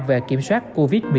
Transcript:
về kiểm soát covid một mươi chín